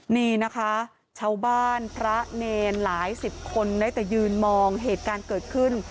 นี่นะคะชาวบ้านพระเนรหลายสิบคนได้แต่ยืนมองเหตุการณ์เกิดขึ้น